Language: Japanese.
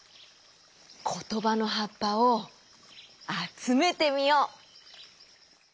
ことばのはっぱをあつめてみよう！